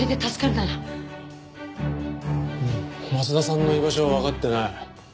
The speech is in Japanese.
松田さんの居場所はわかってない。